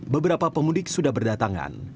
beberapa pemudik sudah berdatangan